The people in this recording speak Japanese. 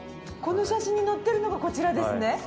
この写真に載ってるのがこちらですね。